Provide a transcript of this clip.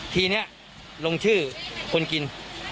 ทีนี้ลงชื่อคนกิน